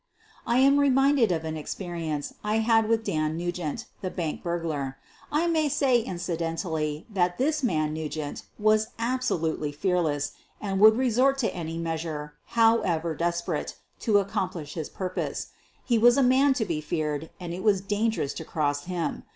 I am reminded of an experience I had with Dan Nugent, the bank burglar. I may say incidentally that this man Nugent was absolutely fearless and would resort to any measure, however desperate, to accomplish his purpose. He was a man to be feared and it was dangerous to cross him.